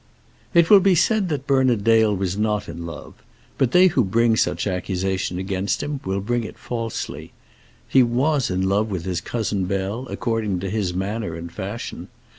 It will be said that Bernard Dale was not in love; but they who bring such accusation against him, will bring it falsely. He was in love with his cousin Bell according to his manner and fashion.